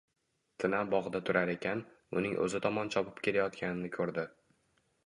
Tina bogʻda turar ekan, uning oʻzi tomon chopib kelayotganini koʻrdi.